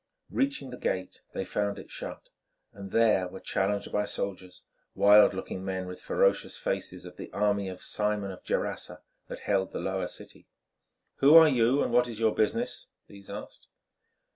Reaching the gate they found it shut, and there were challenged by soldiers, wild looking men with ferocious faces of the army of Simon of Gerasa that held the Lower City. "Who are you and what is your business?" these asked.